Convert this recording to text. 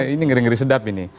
ini ngeri ngeri sedap ini